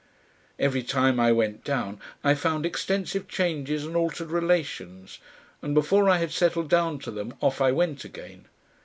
Every time I went down I found extensive changes and altered relations, and before I had settled down to them off I went again.